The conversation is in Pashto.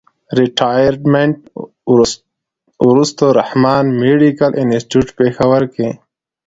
د ريټائرډ منټ نه وروستو رحمان مېډيکل انسټيتيوټ پيښور کښې